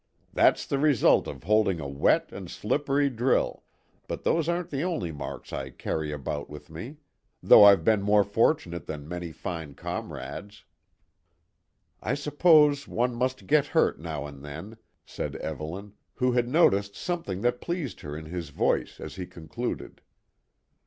"That's the result of holding a wet and slippery drill, but those aren't the only marks I carry about with me though I've been more fortunate than many fine comrades." "I suppose one must get hurt now and then," said Evelyn, who had noticed something that pleased her in his voice as he concluded.